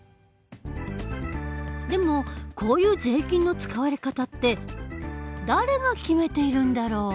でもこういう税金の使われ方って誰が決めているんだろう？